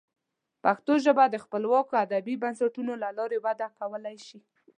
پښتو ژبه د خپلواکو ادبي بنسټونو له لارې وده کولی شي.